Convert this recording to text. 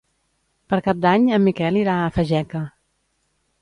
Per Cap d'Any en Miquel irà a Fageca.